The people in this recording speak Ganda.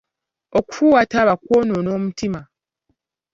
Okufuuwa taaba kwonoona omutima.